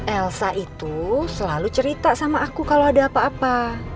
elsa itu selalu cerita sama aku kalau ada apa apa